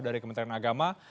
dari kementerian agama